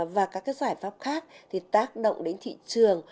và các giải pháp khác thì tác động đến thị trường